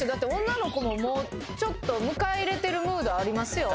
女の子ももうちょっと迎え入れてるムードありますよ・